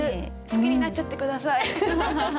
好きになっちゃって下さい。